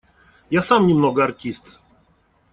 Я сам немного артист.